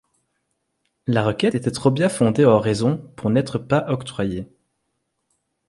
La requête était trop bien fondée en raison pour n’être pas octroyée.